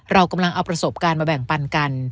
เรากำลังเอาประสบการณ์มาแบ่งปันกัน